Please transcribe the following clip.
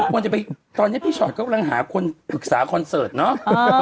ควรจะไปตอนนี้พี่ชอตกำลังหาคนปรึกษาคอนเสิร์ตเนอะ